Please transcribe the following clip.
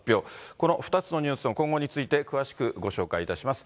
この２つのニュースの今後について、詳しくご紹介いたします。